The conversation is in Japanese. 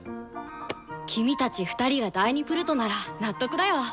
君たち２人が第２プルトなら納得だよ。